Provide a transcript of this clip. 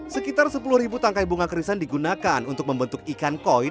sekitar sepuluh tangkai bunga kerisan digunakan untuk membentuk ikan koi